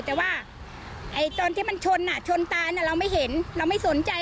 แต่ว่าตอนที่มันชนชนตายเราไม่เห็นเราไม่สนใจ